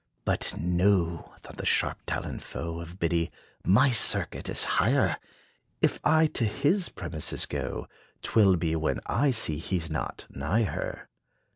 But, "No," thought the sharp taloned foe Of Biddy, "my circuit is higher! If I to his premises go, 'T will be when I see he 's not nigh her."